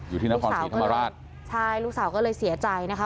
อยู่ที่นครศรีธรรมราชใช่ลูกสาวก็เลยเสียใจนะคะ